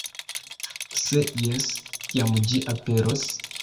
Se jes, kiam ĝi aperos?